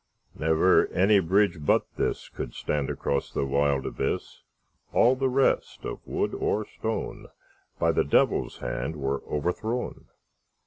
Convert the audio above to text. Never any bridge but thisCould stand across the wild abyss; All the rest, of wood or stone, By the Devil's hand were overthrown.